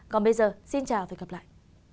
còn bây giờ xin chào và hẹn gặp lại